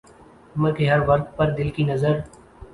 عمر کے ہر ورق پہ دل کی نظر